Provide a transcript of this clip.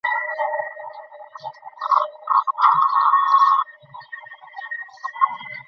কারণ, এতে লোকজন হতাহত হওয়ার মধ্য দিয়ে চরম মূল্য দিতে হচ্ছে।